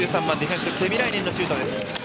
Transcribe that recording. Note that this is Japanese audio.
１３番、ディフェンスケミライネンのシュート。